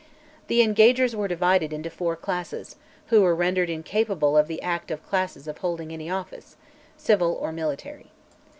The Engagers were divided into four "Classes," who were rendered incapable by "The Act of Classes" of holding any office, civil or military.